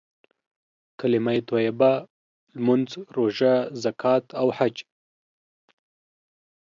کليمه طيبه، لمونځ، روژه، زکات او حج.